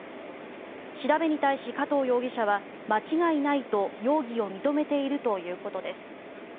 調べに対し、加藤容疑者は間違いないと容疑を認めているということです。